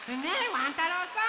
ワン太郎さん。